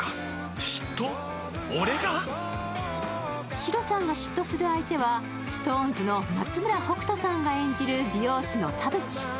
シロさんが嫉妬する相手はＳｉｘＴＯＮＥＳの松村北斗さんが演じる美容師の田渕。